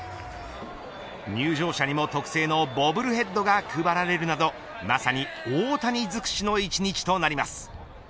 入場者にも特製のボブルヘッドが配られるなどまさに大谷づくしの１日になります。